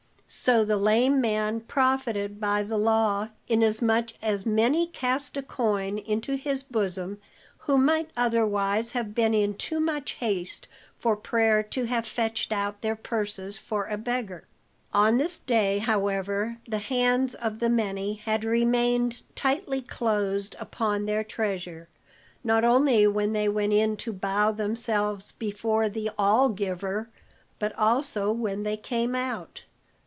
So the lame man profited by the law, inasmuch as many cast a coin into his bosom who might otherwise have been in too much haste for prayer to have fetched out their purses for a beggar. On this day, however, the hands of the many had remained tightly closed upon their treasure, not only when they went in to bow themselves before the All Giver, but also when they came out.